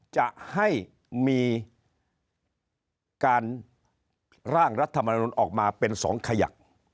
จะให้มีการร่างรัฐมนุนออกมาเป็น๒ขยัก